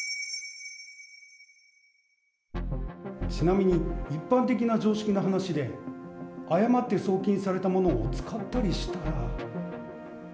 ちなみに一般的な常識の話で、誤って送金されたものを使ったりしたら。